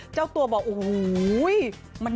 เจ้าตัวบอกหื้อว๒๐๒๓